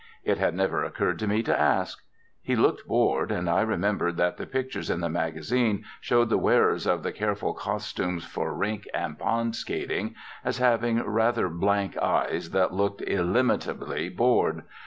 It had never occurred to me to ask. He looked bored, and I remembered that the pictures in the magazine showed the wearers of the careful costumes for rink and pond skating as having rather blank eyes that looked illimitably bored.